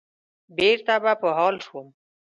بېرته به په حال شوم.